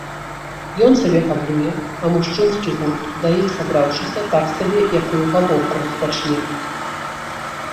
Ён сабе габлюе, а мужчынскі гурт, да іх сабраўшыся, так сабе якую гаворку распачне.